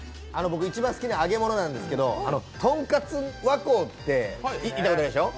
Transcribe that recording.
僕一番好きな揚げ物なんですけどとんかつ和幸ってあるでしょう